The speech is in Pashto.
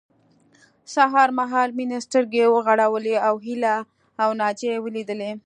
سهار مهال مينې سترګې وغړولې او هيله او ناجيه يې وليدلې